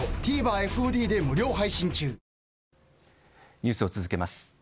ニュースを続けます。